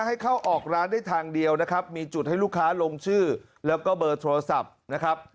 ให้เข้าออกร้านได้ทางเดียวนะครับมีจุดให้ลูกค้าลงชื่อแล้วก็เบอร์โทรศัพท์นะครับ